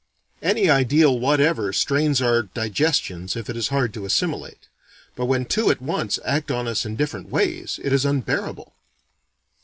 Any ideal whatever strains our digestions if it is hard to assimilate: but when two at once act on us in different ways, it is unbearable.